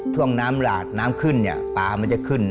ช่วงน้ำหลากน้ำขึ้นเนี่ยปลามันจะขึ้น